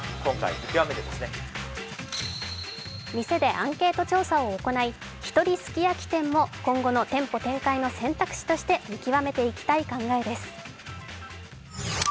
店でアンケート調査を行い、ひとりすき焼店も、今後の店舗展開の選択肢として見極めていきたい考えです。